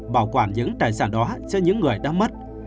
bảo quản những tài sản đó cho những người đã mất